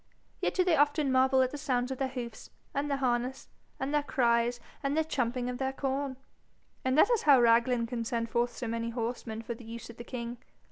Yet do they often marvel at the sounds of their hoofs, and their harness, and their cries, and their chumping of their corn. And that is how Raglan can send forth so many horseman for the use of the king.